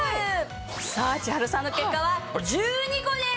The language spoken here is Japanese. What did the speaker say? さあ千春さんの結果は１２個です！